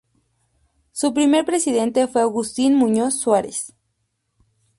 Su primer presidente fue Agustín Muñoz Suárez.